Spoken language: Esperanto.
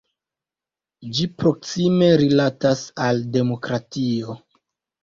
Ĝi proksime rilatas al demokratio.